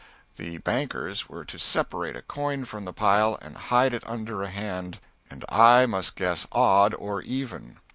The bankers were to separate a coin from the pile and hide it under a hand, and I must guess "odd" or "even."